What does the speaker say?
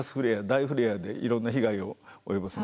大フレアでいろんな被害を及ぼす。